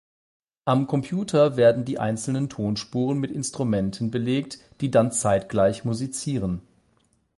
Am Computer werden die einzelnen Tonspuren mit Instrumenten belegt, die dann zeitgleich musizieren.